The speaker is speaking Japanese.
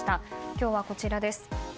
今日はこちらです。